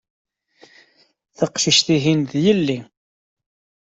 Taqcict-ihin, d yelli.